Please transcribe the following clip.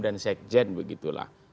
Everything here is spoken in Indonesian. dan sekjen begitulah